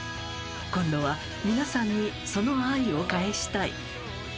［今度は皆さんにその愛を返したい］